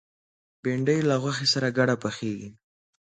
بېنډۍ له غوښې سره ګډه پخېږي